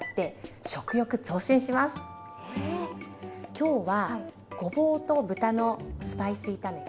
今日はごぼうと豚のスパイス炒めと。